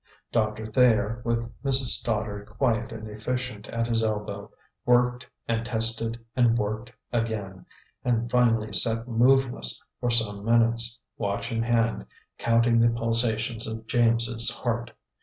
Doctor Thayer, with Mrs. Stoddard quiet and efficient at his elbow, worked and tested and worked again, and finally sat moveless for some minutes, watch in hand, counting the pulsations of James's heart.